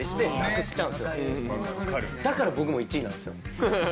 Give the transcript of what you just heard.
だから僕も１位なんですよ。